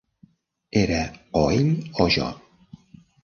Era o ell o jo.